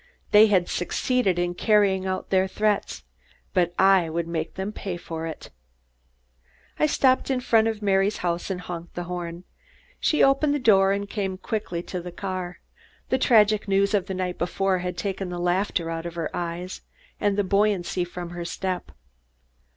They had succeeded in carrying out their threats, but I would make them pay for it. I stopped in front of Mary's house and honked the horn. She opened the door and came quickly to the car. The tragic news of the night before had taken the laughter out of her eyes and the buoyancy from her step.